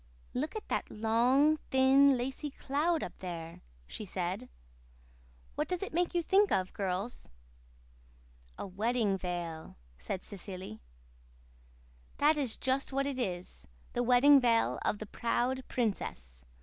"Look at that long, thin, lacy cloud up there," she said. "What does it make you think of, girls?" "A wedding veil," said Cecily. "That is just what it is the Wedding Veil of the Proud Princess.